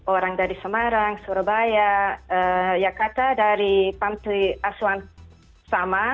orang dari semarang surabaya yakarta dari pantai aswan sama